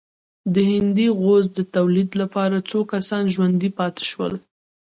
د هندي غوز د تولید لپاره څو کسان ژوندي پاتې شول.